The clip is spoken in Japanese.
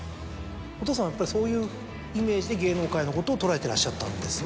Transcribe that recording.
お父さんはやっぱりそういうイメージで芸能界のことを捉えてらっしゃったんですね。